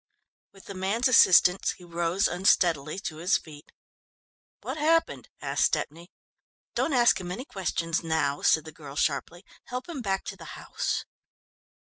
With the man's assistance he rose unsteadily to his feet. "What happened?" asked Stepney. "Don't ask him any questions now," said the girl sharply. "Help him back to the house."